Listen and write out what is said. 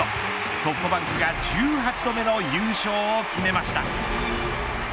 ソフトバンクが１８度目の優勝を決めました。